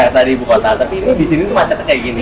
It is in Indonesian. tapi ini di sini tuh macetnya kayak gini